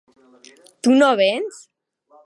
Tu no véns?